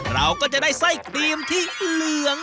เราก็จะได้ไส้ครีมที่เหลือง